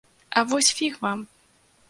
А вось фіг вам!